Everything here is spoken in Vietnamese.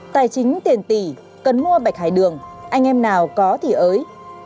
tài chính tiền tỷ cần mua bạch hải đường anh em nào có thì ới